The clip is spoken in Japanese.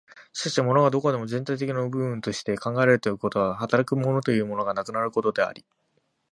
しかし物がどこまでも全体的一の部分として考えられるということは、働く物というものがなくなることであり、